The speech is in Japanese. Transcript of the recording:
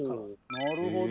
なるほど。